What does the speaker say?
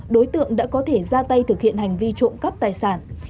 đối tượng đã có thể ra tay thực hiện hành vi trộm cắp tài sản